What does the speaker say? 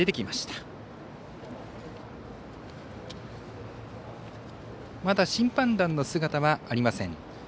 まだ審判団の姿はありません。